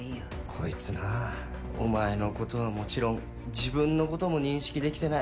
こいつなぁお前のことはもちろん自分のことも認識できてない。